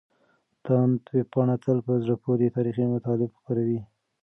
تاند ویبپاڼه تل په زړه پورې تاريخي مطالب خپروي.